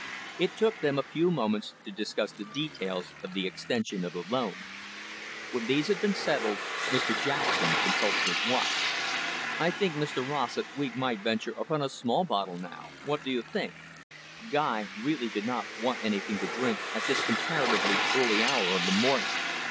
It took them a few moments to discuss the details of the extension of the loan. When these had been settled, Mr Jackson consulted his watch. "I think, Mr Rossett, we might venture upon a small bottle now, what do you think?" Guy really did not want anything to drink at this comparatively early hour of the morning.